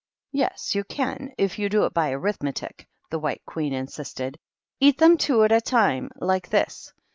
" Yes, you can, if you do it by arithmetic," the White Queen insisted. " Eat them two at a time, like this.